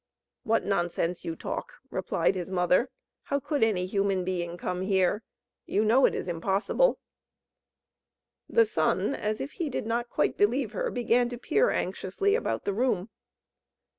"What nonsense you talk!" replied his mother. "How could any human being come here? You know it is impossible." The Sun, as if he did not quite believe her, began to peer anxiously about the room.